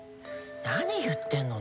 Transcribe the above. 何言ってるの？